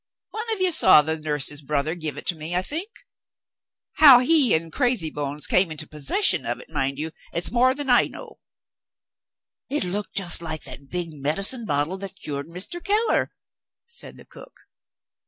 One of you saw the nurse's brother give it to me, I think? How he and Crazybrains came into possession of it, mind you, is more than I know." "It looked just like the big medicine bottle that cured Mr. Keller," said the cook.